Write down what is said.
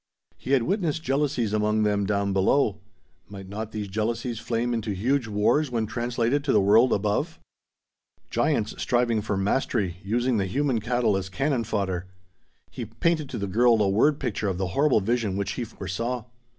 He had witnessed jealousies among them down below. Might not these jealousies flame into huge wars when translated to the world above? Giants striving for mastery, using the human cattle as cannon fodder! He painted to the girl a word picture of the horrible vision which he foresaw.